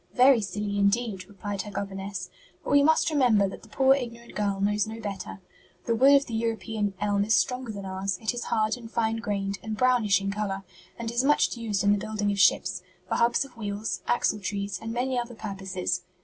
"Very silly indeed," replied her governess; "but we must remember that the poor ignorant girl knows no better. The wood of the European elm is stronger than ours; it is hard and fine grained, and brownish in color, and is much used in the building of ships, for hubs of wheels, axletrees and many other purposes.